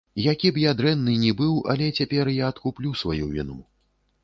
Які б я дрэнны ні быў, але цяпер я адкуплю сваю віну.